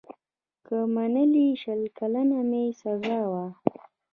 که منلې شل کلنه مي سزا وای